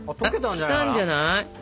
きたんじゃない？